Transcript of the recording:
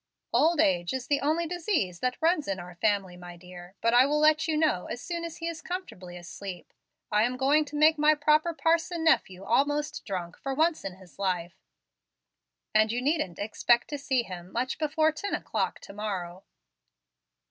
Old age is the only disease that runs in our family, my dear. But I will let you know as soon as he is comfortably asleep. I am going to make my proper parson nephew almost drunk, for once in his life; and you needn't expect to see him much before ten o'clock to morrow."